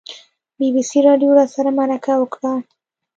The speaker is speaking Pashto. بي بي سي راډیو راسره مرکه وکړه.